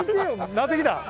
なってきた？